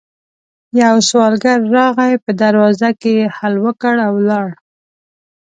يو سوالګر راغی، په دروازه کې يې هل وکړ او ولاړ.